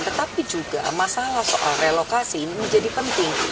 tetapi juga masalah soal relokasi ini menjadi penting